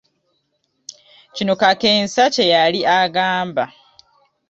Kino kakensa kye yali agamba.